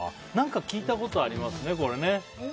聞いたことありますね、これ。